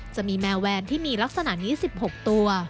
จะมีแมวแวร์นที่มีลักษณะ๒๖ตัว